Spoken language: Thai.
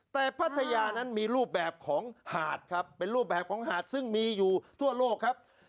แต่พัทยานั้นมีรูปแบบของหาดครับเป็นรูปแบบของหาดซึ่งมีอยู่ทั่วโลกครับ